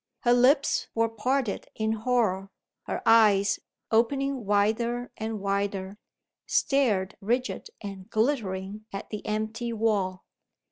Her lips were parted in horror; her eyes, opening wider and wider, stared rigid and glittering at the empty wall.